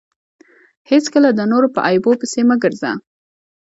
هېڅکله د نورو په عیبو پيسي مه ګرځه!